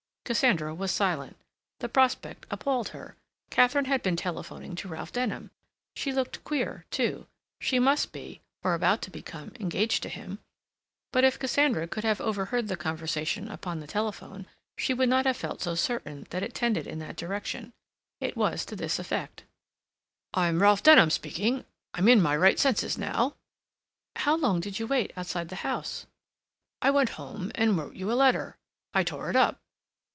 Cassandra was silent. The prospect appalled her. Katharine had been telephoning to Ralph Denham; she looked queer, too; she must be, or about to become, engaged to him. But if Cassandra could have overheard the conversation upon the telephone, she would not have felt so certain that it tended in that direction. It was to this effect: "I'm Ralph Denham speaking. I'm in my right senses now." "How long did you wait outside the house?" "I went home and wrote you a letter. I tore it up."